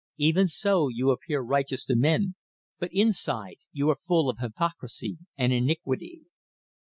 Even so you appear righteous to men, but inside you are full of hypocrisy and iniquity.